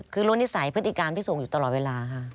คือล้นนิสัยพฤติการพี่ส่งอยู่ตลอดเวลาค่ะ